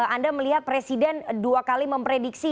anda melihat presiden dua kali memprediksi